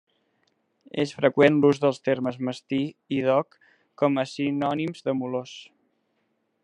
És freqüent l'ús dels termes mastí i dog com a sinònims de molós.